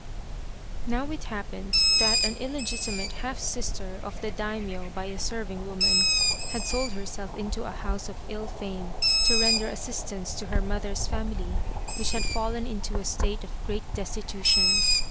Now it happened that an illegitimate half sister of 13 The Quest of the Sword the Daimio by a serving woman had sold herself into a house of ill fame to render assistance to her mother's family which had fallen into a state of great destitu tion.